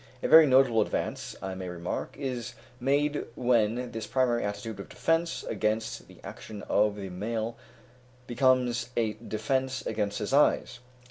A very notable advance, I may remark, is made when this primary attitude of defence against the action of the male becomes a defence against his eyes.